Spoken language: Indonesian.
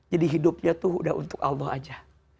jadi hidupnya itu sudah untuk allah saja